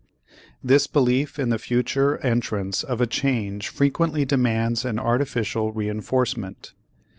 This belief in the future entrance of a change frequently demands an artificial reënforcement.